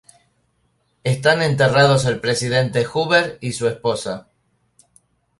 Están enterrados el Presidente Hoover y su esposa.